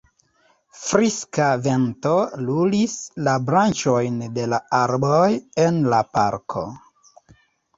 Friska vento lulis la branĉojn de la arboj en la parko.